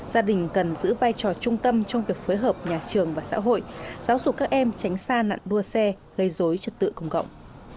gia đình cần giữ vai trò trung tâm trong việc phối hợp nhà trường và xã hội giáo dục các em tránh xa nạn đua xe gây dối trật tự công cộng